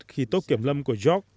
khi tốp kiểm lâm của york